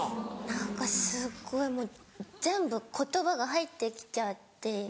何かすごいもう全部言葉が入って来ちゃって。